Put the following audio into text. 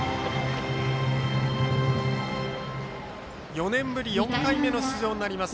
４年ぶり４回目の出場になります